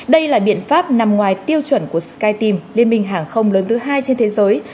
đây là biện pháp nằm ngoài tiêu chuẩn của skytim liên minh hàng không lớn thứ hai trên thế giới